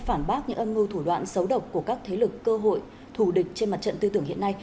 phản bác những âm mưu thủ đoạn xấu độc của các thế lực cơ hội thù địch trên mặt trận tư tưởng hiện nay